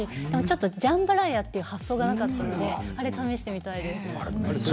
ジャンバラヤという発想はなかったのであれ、試してみたいです。